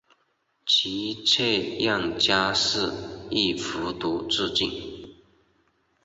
其妾燕佳氏亦服毒自尽。